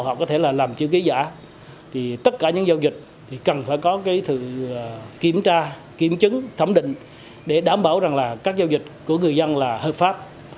họ có thể là làm chữ ký giả thì tất cả những giao dịch thì cần phải có cái sự kiểm tra kiểm chứng thẩm định để đảm bảo rằng là các giao dịch của người dân là hợp pháp